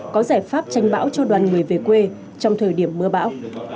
có giải pháp tranh bão cho đoàn người về quê trong thời điểm mưa bão